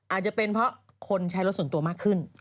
อาจจะเป็นเพราะคนใช้รถส่วนตัวมากขึ้น